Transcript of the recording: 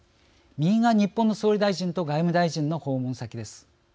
右が日本の総理大臣と外務大臣の訪問先です。